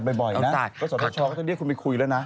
พี่คุณพึ่งวันนี้ออกอากาศบ่อยนะก็สวัสดีคุณไปคุยแล้วนะ